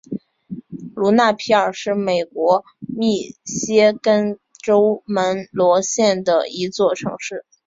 卢纳皮尔是美国密歇根州门罗县的一座城市。